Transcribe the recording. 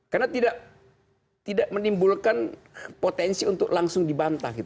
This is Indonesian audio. karena tidak menimbulkan potensi untuk langsung dibantah